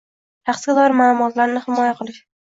Shaxsga doir ma’lumotlarni himoya qilish